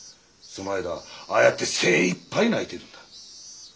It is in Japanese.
その間ああやって精いっぱい鳴いてるんだ。